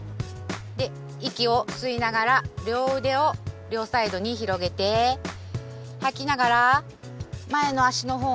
で息を吸いながら両腕を両サイドに広げて吐きながら前の足の方に向かって倒れます。